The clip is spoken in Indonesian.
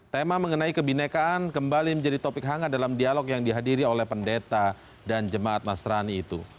tema mengenai kebinekaan kembali menjadi topik hangat dalam dialog yang dihadiri oleh pendeta dan jemaat nasrani itu